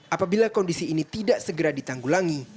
apabila kondisi ini tidak segera ditanggulangi